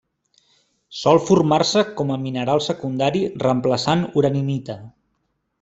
Sol formar-se com a mineral secundari reemplaçant uraninita.